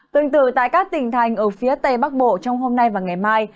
tương tự tại các tỉnh thành ở phía tây bắc bộ trong hôm nay và ngày mai